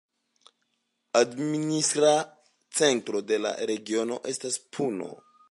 La administra centro de la regiono estas Puno.